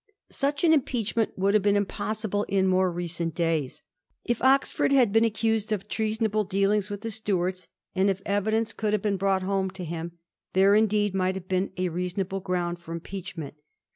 Such an impeachment would have been impossible in more recent days. If Oxford had been accused of treasonable dealings with the Stuarts, and if evidence could have been brought home to him, there indeed might have been a reasonable ground for impeachment.